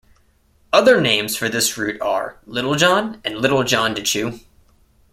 Other names for this root are Little John and Little John to Chew.